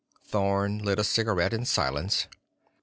Thorn lit a cigarette in silence.